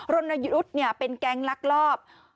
รนยุทธ์เนี่ยเป็นแกงลักลอบ